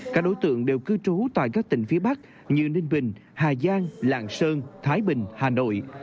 các đối tượng đều cư trú tại các tỉnh phía bắc như ninh bình hà giang lạng sơn thái bình hà nội